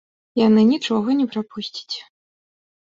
Яны нічога не прапусцяць.